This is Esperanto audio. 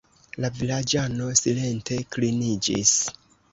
La vilaĝano silente kliniĝis.